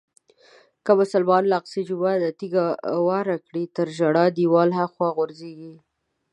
که مسلمانان له اقصی جومات نه تیږه واره کړي تر ژړا دیوال هاخوا غورځېږي.